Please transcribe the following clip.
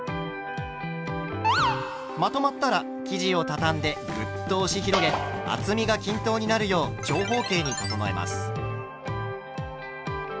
まとまったら生地をたたんでグッと押し広げ厚みが均等になるよう長方形に整えます。